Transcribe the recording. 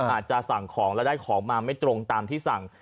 อาจจะสั่งของแล้วได้ของมาไม่ตรงตามที่สั่ง